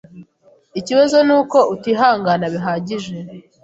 Ikibazo nuko utihangana bihagije.